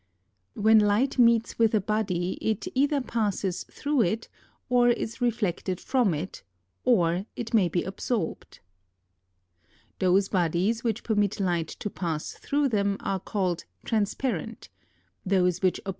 6. When light meets with a body, it either passes through it, or is reflected from it, or it may be absorbed. 7. Those bodies which permit light to pass through them are called transparent ; those which oppose its passage, are called opaque.